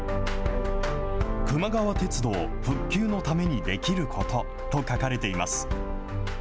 くま川鉄道復旧のためにできることと書かれています。